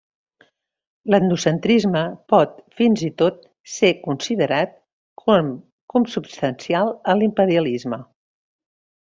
L'etnocentrisme pot fins i tot ser considerat com consubstancial a l'imperialisme.